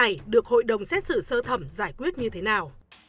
tài sản này được hội đồng xét xử sơ thẩm giải quyết như thế nào